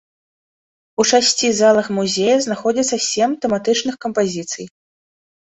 У шасці залах музея знаходзяцца сем тэматычных кампазіцый.